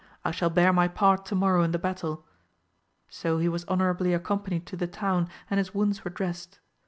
I shall bear my part to morrow in the battle. So he was honourably accompanied to the town, and his wounds were dressed.